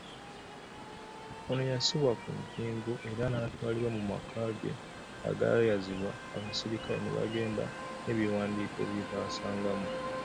Ono yassibwa ku mpingu era naatwalibwa mu makage agaayazibwa, abasirikale ne bagenda nebiwandiiko byebasangamu.